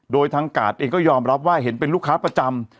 โดยทางกาดเองก็ยอมรับว่าเห็นเป็นลูกค้าประจำ